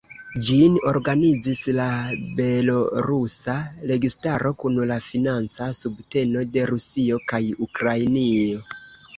Ĝin organizis la belorusa registaro kun la financa subteno de Rusio kaj Ukrainio.